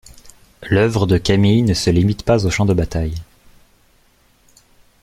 L’œuvre de Camille ne se limite pas aux champs de bataille.